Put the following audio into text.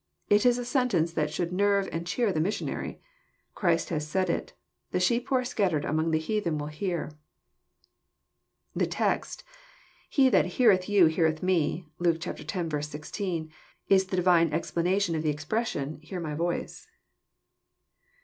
— It is a sentence that should nerve and cheer the missionary. Christ has said it: "The sheep who are scattered among the heathen will hear." The text, " He that heareth you heareth Me," (Luke x. 16,) is the Divine explanation of the expression, " hear my voice."